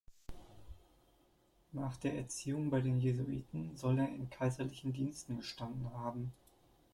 Nach der Erziehung bei den Jesuiten soll er in kaiserlichen Diensten gestanden haben.